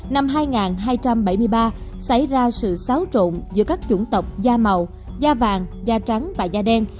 năm hai nghìn hai trăm bảy mươi ba xảy ra sự xáo trộn giữa các chủng tộc da màu da vàng da trắng và da đen